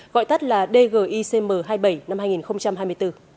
gọi tắt là dgicm hai mươi bảy năm hai nghìn hai mươi bốn